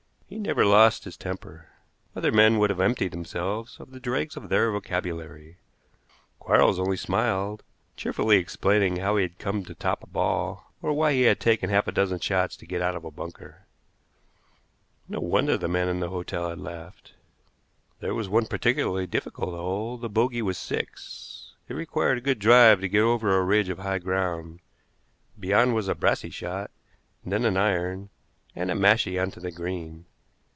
He never lost his temper. Other men would have emptied themselves of the dregs of their vocabulary; Quarles only smiled, cheerfully explaining how he had come to top a ball, or why he had taken half a dozen shots to get out of a bunker. No wonder the man in the hotel had laughed. There was one particularly difficult hole. The bogey was six. It required a good drive to get over a ridge of high ground; beyond was a brassey shot, then an iron, and a mashie on to the green.